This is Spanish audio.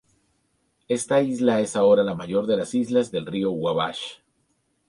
Esta isla es ahora la mayor de las islas del río Wabash.